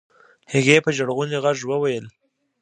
هغې په ژړغوني غږ وويل.